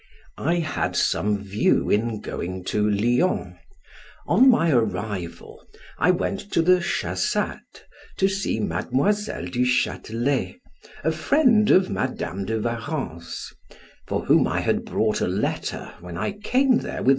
I had some view in going to Lyons: on my arrival, I went to the Chasattes, to see Mademoiselle du Chatelet, a friend of Madam de Warrens, for whom I had brought a letter when I came there with M.